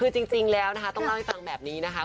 คือจริงแล้วนะคะต้องเล่าให้ฟังแบบนี้นะคะ